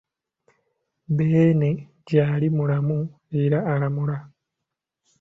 Beene gyali mulamu era alamula.